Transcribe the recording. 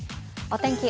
お天気